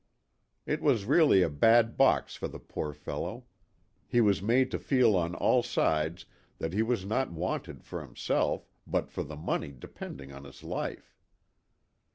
THE TWO WILLS. 125 It was really a bad box for the poor fellow ; he was made to feel on all sides that he was not wanted for himself but for the money depending on his life.